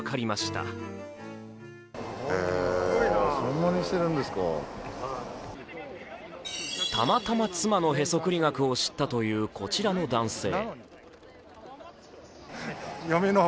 たまたま妻のへそくり額を知ったというこちらの男性。